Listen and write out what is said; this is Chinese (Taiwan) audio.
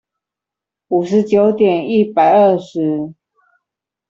五十九點一百二十